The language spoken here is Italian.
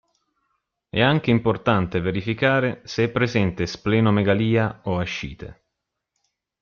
È anche importante verificare se è presente splenomegalia o ascite.